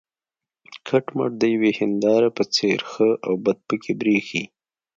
کټ مټ د یوې هینداره په څېر ښه او بد پکې برېښي.